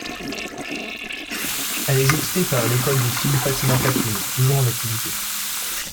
Elle est jouxtée par l'école de filles Fatima-Khatoun, toujours en activité.